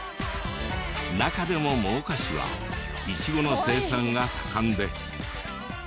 中でも真岡市はイチゴの生産が盛んで。